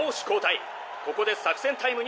ここで作戦タイムに入ります。